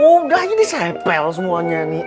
udah ini saya pel semuanya nih